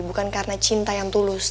bukan karena cinta yang tulus